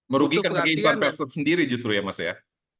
merugikan bagi insan person sendiri justru ya mas ya